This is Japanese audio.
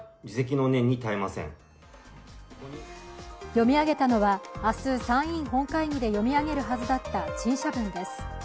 読み上げたのは、明日、参院本会議で読み上げるはずだった陳謝文です。